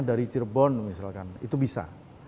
dari cirebon misalkan itu bisa